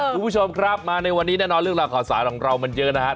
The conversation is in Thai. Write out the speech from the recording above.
คุณผู้ชมครับมาในวันนี้แน่นอนเรื่องราวข่าวสารของเรามันเยอะนะครับ